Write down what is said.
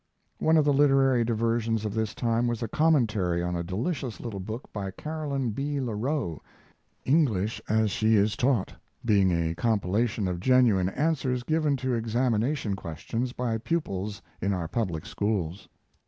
One of the literary diversions of this time was a commentary on a delicious little book by Caroline B. Le Row English as She Is Taught being a compilation of genuine answers given to examination questions by pupils in our public schools.